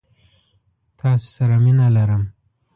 تا سره مينه لرم